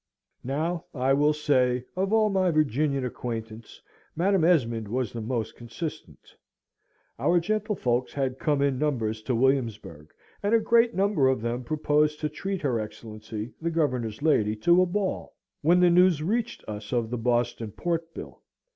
Now, I will say, of all my Virginian acquaintance, Madam Esmond was the most consistent. Our gentlefolks had come in numbers to Williamsburg; and a great number of them proposed to treat her Excellency, the Governor's lady, to a ball, when the news reached us of the Boston Port Bill.